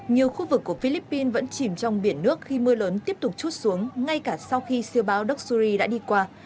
nhiều khu vực của philippines vẫn chìm trong biển nước khi mưa lớn tiếp tục chút xuống ngay cả sau khi siêu báo doxury đã đi qua